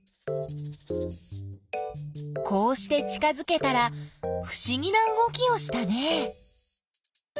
こうして近づけたらふしぎなうごきをしたね。